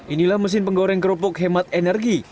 inilah mesin penggoreng kerupuk hemat energi